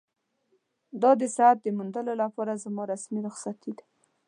دا د صحت موندلو لپاره زما رسمي رخصتي ده.